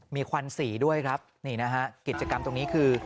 มีควันสีด้วยครับนี่นะฮะกิจกรรมตรงนี้คือ